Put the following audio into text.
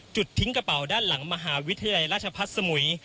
ทิ้งกระเป๋าด้านหลังมหาวิทยาลัยราชพัฒน์สมุย